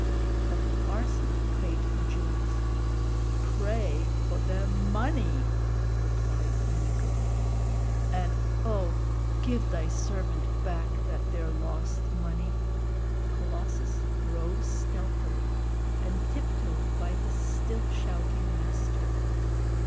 But the parson prayed for Jules. "Pray fo' de money!" repeated the negro. "And oh, give thy servant back that there lost money!" Colossus rose stealthily, and tiptoed by his still shouting master.